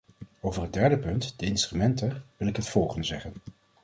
Over het derde punt, de instrumenten, wil ik het volgende zeggen.